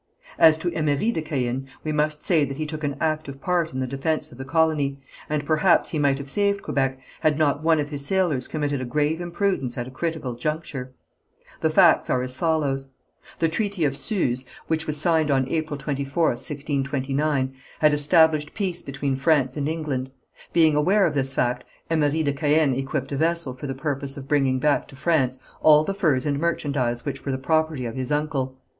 As to Emery de Caën we must say that he took an active part in the defence of the colony, and perhaps he might have saved Quebec, had not one of his sailors committed a grave imprudence at a critical juncture. The facts are as follows: The Treaty of Suze, which was signed on April 24th, 1629, had established peace between France and England. Being aware of this fact Emery de Caën equipped a vessel for the purpose of bringing back to France all the furs and merchandise which were the property of his uncle.